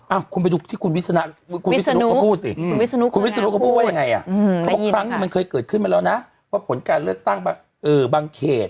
อะคุณไปดูที่วิทยาศาสนาวิทยานุเขาพูดสิวิทยาศนุเขาพูดว่ายังไงมันเกิดขึ้นมาแล้วนะว่าผลการเลือกตั้งมาว่าบางเขต